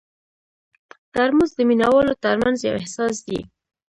ترموز د مینه والو ترمنځ یو احساس دی.